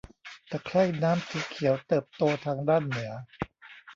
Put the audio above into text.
ตะไคร่น้ำสีเขียวเติบโตทางด้านเหนือ